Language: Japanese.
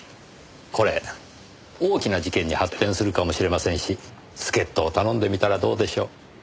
これ大きな事件に発展するかもしれませんし助っ人を頼んでみたらどうでしょう？